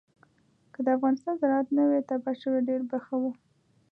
که د افغانستان زراعت نه وی تباه شوی ډېر به ښه وو.